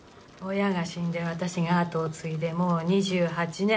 親が死んで私が後を継いでもう２８年。